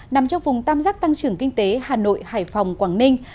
nằm trong vùng tam giác tăng trưởng kinh tế hà nội hải phòng quảng ninh